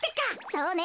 そうね！